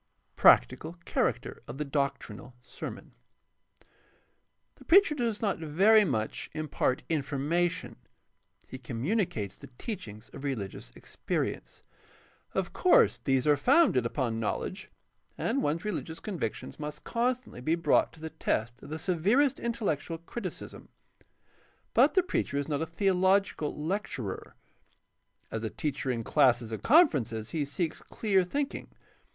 Practical character of the doctrinal sermon. — The preacher does not very much impart information ; he communicates the teachings of religious experience. Of course these are founded upon knowledge, and one's religious convictions must con stantly be brought to the test of the severest intellectual criticism. But the preacher is not a theological lecturer. As a teacher in classes and conferences he seeks clear thinking.